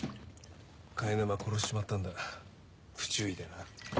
貝沼殺しちまったんだ不注意でな。